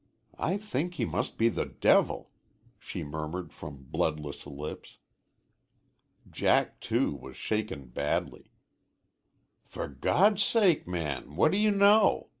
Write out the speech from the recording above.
I think he must be the devil," she murmured from bloodless lips. Jack, too, was shaken, badly. "For God's sake, man, what do you know?"